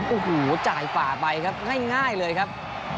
โอ้โหจ่ายฝ่าไปครับง่ายเลยครับ